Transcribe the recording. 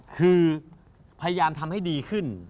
คือพยายามทำให้ดีขึ้น